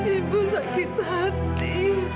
ibu sakit hati